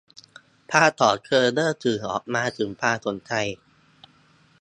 ภาพของเธอเริ่มสื่อออกมาถึงความสนใจ